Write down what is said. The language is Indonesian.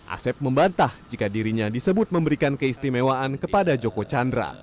asep membantah jika dirinya disebut memberikan keistimewaan kepada joko chandra